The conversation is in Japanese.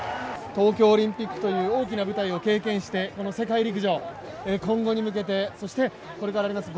東京オリンピックという大きな舞台を経験してこの世界陸上、今後に向けて、そしてこれからあります